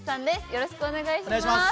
よろしくお願いします。